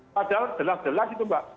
padahal jelas jelas itu mbak